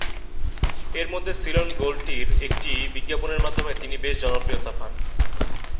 এর মধ্যে "Ceylon gold টি"'র একটি বিজ্ঞাপনের মাধ্যমে তিনি বেশ জনপ্রিয়তা পান।